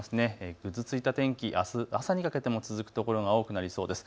ぐずついた天気、あす朝にかけても続く所が多くなりそうです。